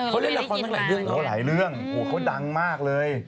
เขาเล่นละครหลายเรื่องเขาหลายเรื่องเขาดังมากเลย